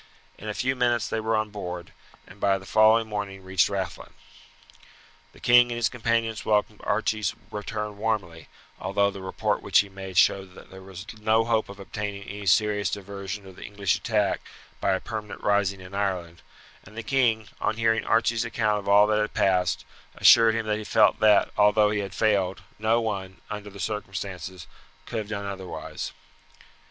In a few minutes they were on board, and by the following morning reached Rathlin. The king and his companions welcomed Archie's return warmly, although the report which he made showed that there was no hope of obtaining any serious diversion of the English attack by a permanent rising in Ireland; and the king, on hearing Archie's account of all that had passed, assured him that he felt that, although he had failed, no one, under the circumstances, could have done otherwise.